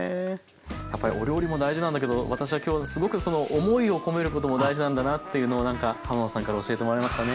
やっぱりお料理も大事なんだけど私は今日すごくその思いを込めることも大事なんだなっていうのをなんか浜野さんから教えてもらいましたね。